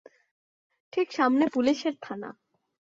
ঠিক সামনে পুলিসের থানা।